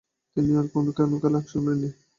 তিনি আর কোন খেলায় অংশ নেননি।